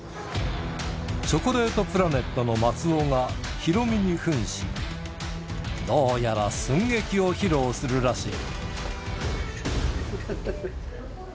チョコレートプラネットの松尾がヒロミにふんし、どうやら寸劇を披露するらしい。